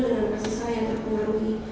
dengan kasus saya terpengaruhi